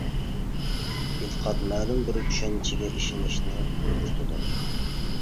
ئېتىقاد مەلۇم بىر چۈشەنچىگە ئىشىنىشنى كۆرسىتىدۇ.